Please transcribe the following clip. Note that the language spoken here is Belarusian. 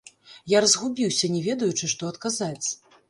Я разгубіўся, не ведаючы, што адказаць.